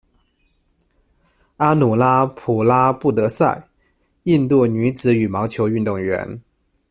阿努拉·普拉布德赛，印度女子羽毛球运动员。